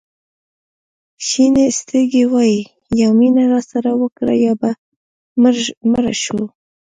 شینې سترګې وایي یا مینه راسره وکړه یا به مړه شو.